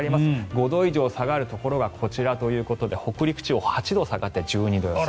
５度以上下がるところがこちらということで北陸地方８度下がって１２度予想。